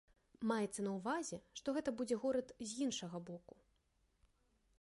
Маецца на ўвазе, што гэта будзе горад з іншага боку.